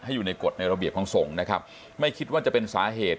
อยู่ในกฎในระเบียบของสงฆ์นะครับไม่คิดว่าจะเป็นสาเหตุ